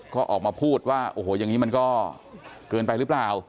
ก็ออกมาพูดว่ามันเกินไปหรือเปล่า